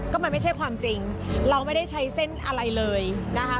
ก็มันไม่ใช่ความจริงเราไม่ได้ใช้เส้นอะไรเลยนะคะ